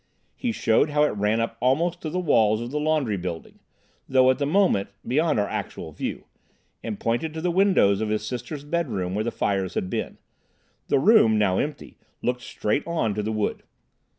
He showed how it ran up almost to the walls of the laundry building—though at the moment beyond our actual view—and pointed to the windows of his sister's bedroom where the fires had been. The room, now empty, looked straight on to the wood.